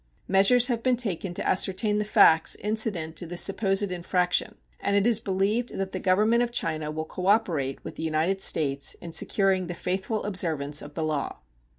Measures have been taken to ascertain the facts incident to this supposed infraction, and it is believed that the Government of China will cooperate with the United States in securing the faithful observance of the law.